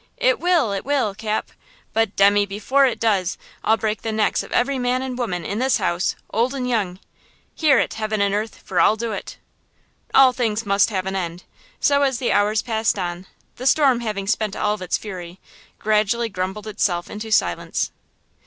It will–it will, Cap! But demmy, before it does, I'll break the necks of every man and woman, in this house, old and young! Hear it, heaven and earth, for I'll do it!" All things must have an end. So, as the hours passed on, the storm having spent all its fury, gradually grumbled itself into silence.